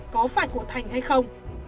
có phải của thành hay không